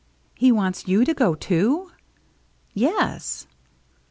" He wants you to go, too ?" "Yes."